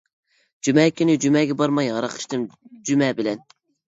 جۈمە كۈنى جۈمەگە بارماي ھاراق ئىچتىم جۈمە بىلەن.